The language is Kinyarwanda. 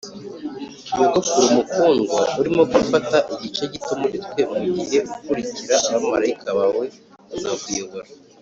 nyogokuru mukundwa, urimo gufata igice gito muri twe mugihe ukurikira abamarayika bawe bazakuyobora